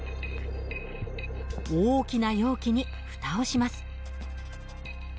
大きな容器にふたをします。